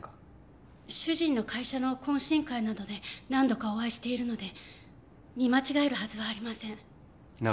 主人の会社の懇親会などで何度かお会いしているので見間違えるはずはありません